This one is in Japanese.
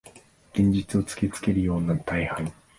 現実を突きつけるような大敗